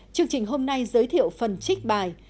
chương trình hôm nay giới thiệu phần trích bài